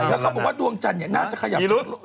เขาบอกว่าดวงจันทร์เนี่ยน่าจะขยับอีรุศ